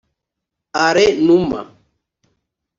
Alain Numa